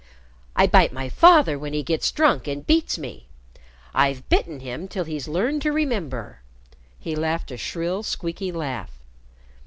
"I bite my father when he gets drunk and beats me. I've bitten him till he's learned to remember." He laughed a shrill, squeaking laugh.